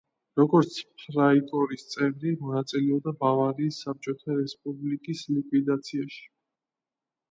როგორც ფრაიკორის წევრი, მონაწილეობდა ბავარიის საბჭოთა რესპუბლიკის ლიკვიდაციაში.